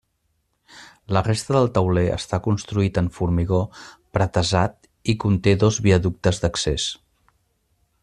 La resta del tauler està construït en formigó pretesat i conté dos viaductes d'accés.